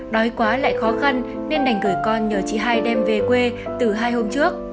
đói quá lại khó khăn nên đành gửi con nhờ chị hai đem về quê từ hai hôm trước